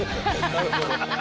なるほど。